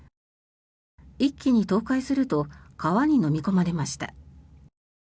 一気に倒壊すると川にのみ込まれました。